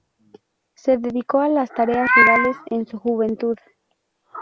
Se dedicó a las tareas rurales en su juventud.